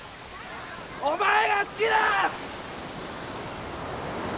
お前が好きだ！